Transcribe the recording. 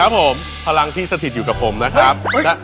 ผมพลังที่สถิตอยู่กับผมนะครับ